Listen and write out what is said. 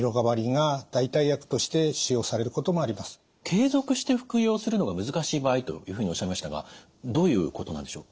継続して服用するのが難しい場合というふうにおっしゃいましたがどういうことなんでしょう？